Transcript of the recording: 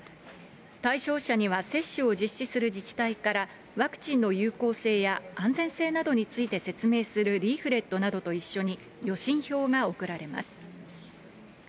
対象者には、接種を実施する自治体から、ワクチンの有効性や安全性などについて説明するリーフレットなどと一緒に予診票が送られます。